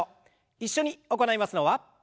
一緒に行いますのは。